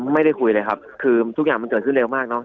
ไม่ได้คุยเลยครับคือทุกอย่างมันเกิดขึ้นเร็วมากเนอะ